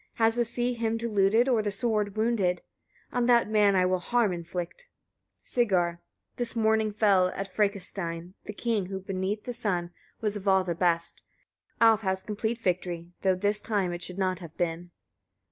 Has the sea him deluded, or the sword wounded? On that man I will harm inflict. Sigar. 39. This morning fell, at Frekastein, the king who beneath the sun was of all the best. Alf has complete victory, though this time it should not have been!